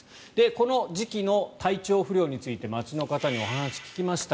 この時期の体調不良について街の方にお話を聞きました。